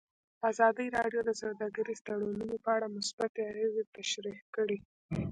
ازادي راډیو د سوداګریز تړونونه په اړه مثبت اغېزې تشریح کړي.